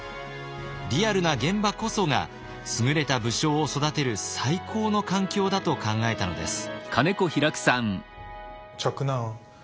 リアルな現場こそが優れた武将を育てる最高の環境だと考えたのです。